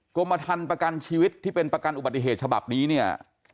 กรมทันประกันชีวิตที่เป็นประกันอุบัติเหตุฉบับนี้เนี่ย